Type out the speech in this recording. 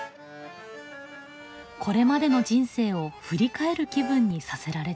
これまでの人生を振り返る気分にさせられてしまう。